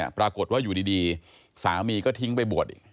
ปรากฏว่าอยู่ดีสามีก็ทิ้งไปบวชอีก